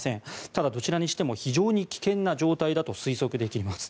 ただ、どちらにしても非常に危険な状態だと推測できます。